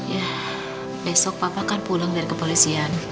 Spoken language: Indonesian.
ya besok bapak kan pulang dari kepolisian